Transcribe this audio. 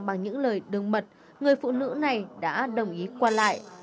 bằng những lời đồng mật người phụ nữ này đã đồng ý quà lại